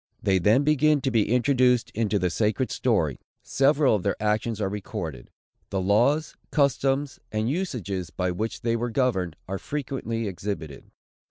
They then begin to be introduced into the sacred story. Several of their actions are recorded. The laws, customs, and usages, by which they were governed, are frequently exhibited.